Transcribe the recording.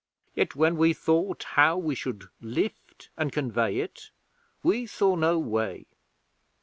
Yet when we thought how we should lift and convey it, we saw no way.